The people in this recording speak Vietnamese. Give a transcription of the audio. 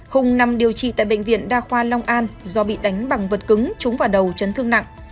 hùng nằm điều trị tại bệnh viện đa khoa long an do bị đánh bằng vật cứng trúng vào đầu chấn thương nặng